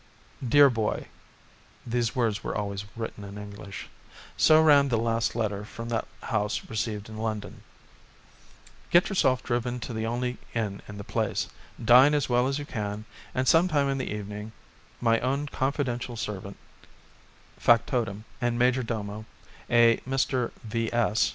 "Dear boy" (these words were always written in English), so ran the last letter from that house received in London, "Get yourself driven to the only inn in the place, dine as well as you can, and some time in the evening my own confidential servant, factotum and major domo, a Mr. V.S.